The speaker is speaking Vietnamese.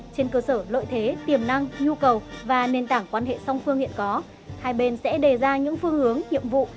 trên cơ sở lợi thế tiềm năng nhu cầu và nền tảng quan hệ song phương hiện có hai bên sẽ đề ra những phương hướng nhiệm vụ